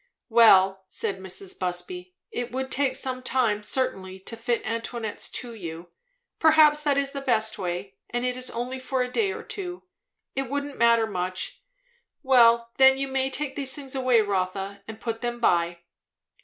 "Well " said Mrs. Busby; "it would take some time, certainly, to fit Antoinette's to you; perhaps that is the best way; and it is only for a day or two; it wouldn't matter much. Well, then you may take these things away, Rotha, and put them by."